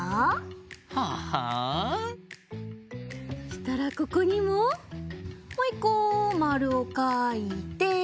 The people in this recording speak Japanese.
そしたらここにももう１こまるをかいて。